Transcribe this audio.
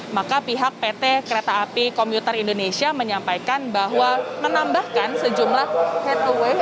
maka pihak pt kereta api komuter indonesia menyampaikan bahwa menambahkan sejumlah head away